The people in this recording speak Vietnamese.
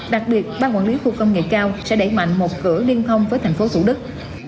đặc biệt ban quản lý khu công nghệ cao sẽ đẩy mạnh một cửa liên thông với thành phố thủ đức